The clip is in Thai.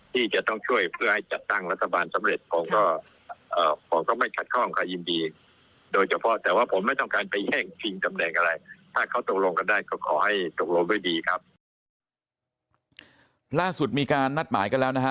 ที่จะต้องช่วยให้จัดตั้งรัฐบาลสำเร็จ